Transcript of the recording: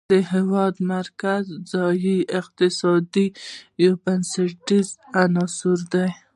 د هېواد مرکز د ځایي اقتصادونو یو بنسټیز عنصر دی.